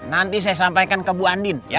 nanti saya sampaikan ke bu andin